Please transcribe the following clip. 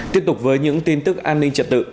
tiếp tục với những tin tức an ninh trật tự